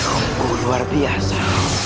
aku luar biasa